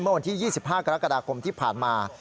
วันที่๒๕กรกฎาคมที่ผ่านมา